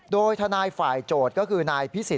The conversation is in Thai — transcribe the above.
โดยทนายฝ่ายโจทย์ก็คือนายพิสิท